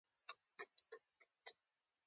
ایا زه باید پنیر وخورم؟